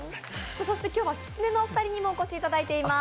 そして今日はきつねのお二人にも来ていただいています。